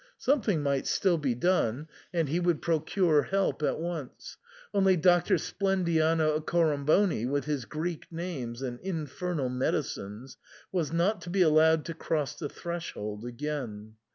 Something might still be done, and he would procure help at once, only Doctor Splendiano Acco ramboni with his Greek names and infernal medicines was not to be allowed to cross the threshold again.